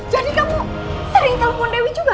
jadi kamu sering telepon dewi juga